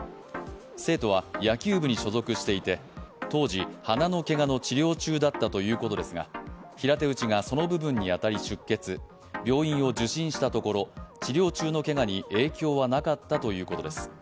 生徒は野球部に所属していて当時、鼻のけがの治療中だったということですが、平手打ちがその部分に当たり出血病院を受診したところ治療中のけがに影響はなかったということです。